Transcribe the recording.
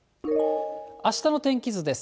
あしたの天気図です。